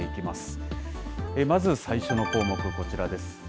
まず最初の項目、こちらです。